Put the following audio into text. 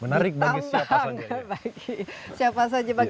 menarik bagi siapa saja